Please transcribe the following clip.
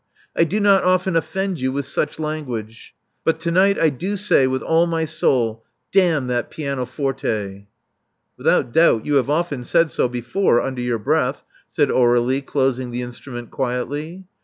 I do not often offend you with such language ; but to night I do say with all my soul 'Damn that pianoforte.' " "Without doubt you have often said so before under your breath," said Aur^lie, closing the instrument quietly.